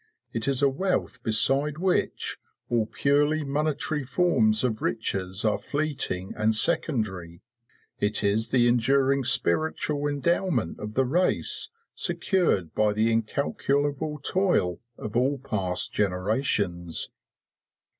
It is a wealth beside which all purely monetary forms of riches are fleeting and secondary; it is the enduring spiritual endowment of the race secured by the incalculable toil of all past generations.